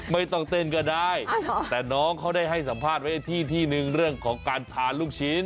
ไม่ต้องเต้นก็ได้แต่น้องเขาได้ให้สัมภาษณ์ไว้ที่ที่หนึ่งเรื่องของการทานลูกชิ้น